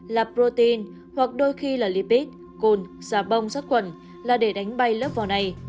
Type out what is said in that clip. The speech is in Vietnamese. là protein hoặc đôi khi là lipid cồn xà bông sắc quẩn là để đánh bay lớp vỏ này